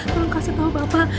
tolong kasih tau bapak